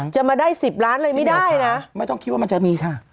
จะมาได้๑๐ล้านเลยไม่ได้นะไม่ต้องคิดว่ามันจะมีค่ะ